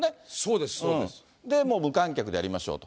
でもう、無観客でやりましょうと。